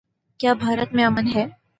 کیا بھارت میں امن ہے؟